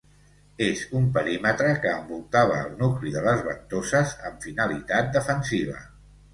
És un perímetre que envoltava el nucli de les Ventoses amb finalitat defensiva.